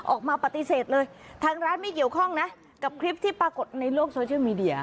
ออกมาปฏิเสธเลยทางร้านไม่เกี่ยวข้องนะกับคลิปที่ปรากฏในโลกโซเชียลมีเดีย